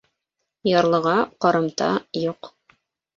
Ярлыға ҡарымта юҡ.